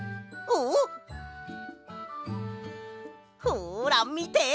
ほらみて！